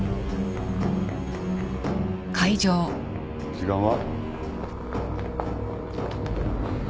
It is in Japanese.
時間は？